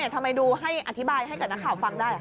ทำไมดูให้อธิบายให้กับนักข่าวฟังได้